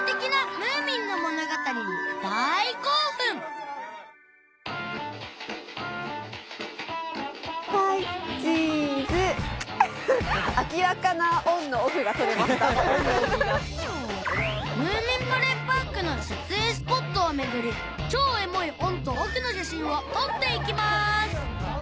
ムーミンバレーパークの撮影スポットを巡る超エモいオンとオフの写真を撮っていきます